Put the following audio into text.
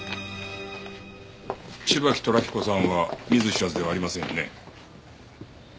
芝木寅彦さんは見ず知らずではありませんよね？